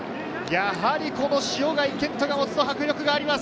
やはりこの塩貝健斗は持つ迫力があります。